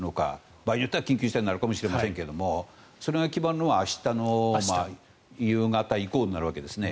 場合によっては緊急事態になるかもしれませんがそれが決まるのは明日の夕方以降になるわけですね。